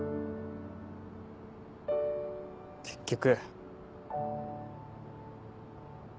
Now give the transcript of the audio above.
結局。